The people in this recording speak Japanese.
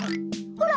ほら！